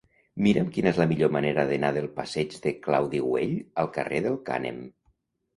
Mira'm quina és la millor manera d'anar del passeig de Claudi Güell al carrer del Cànem.